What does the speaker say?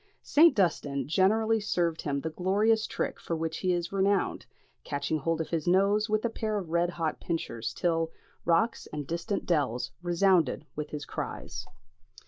St. Dunstan generally served him the glorious trick for which he is renowned, catching hold of his nose with a pair of red hot pincers, till "Rocks and distant dells resounded with his cries."